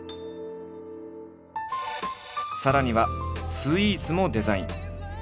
さらにはスイーツもデザイン。